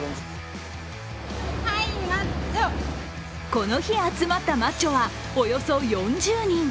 この日集まったマッチョはおよそ４０人。